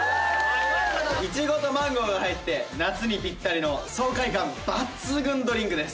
イチゴとマンゴーが入って夏にピッタリの爽快感抜群ドリンクです。